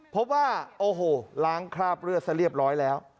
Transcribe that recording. เพราะว่าโอ้โหล้างคราบเลือดเสร็จเรียบร้อยแล้ว